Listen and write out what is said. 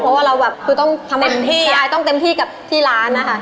เพราะเราแบบต้องทำ